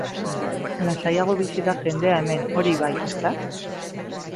Lasaiago bizi da jendea hemen, hori bai, ezta?